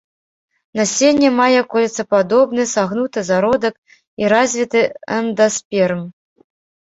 Насенне мае кольцападобны сагнуты зародак і развіты эндасперм.